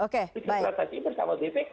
kita berpartasi bersama bpk